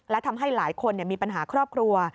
และทำให้หลายคนมีปัญหาครอบครัว